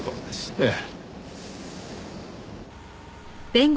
ええ。